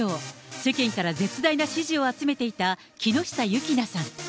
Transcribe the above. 世間から絶大な支持を集めていた木下優樹菜さん。